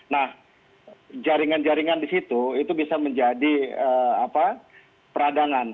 nah jaringan jaringan di situ itu bisa menjadi peradangan